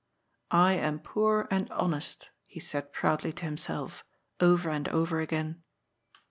"I am poor and honest, he said proudly to himself, over and over again.